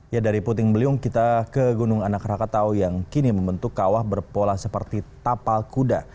ya dari puting beliung kita ke gunung anak rakatau yang kini membentuk kawah berpola seperti tapal kuda